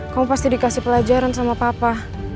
kamu pasti dikasih pelajaran sama papa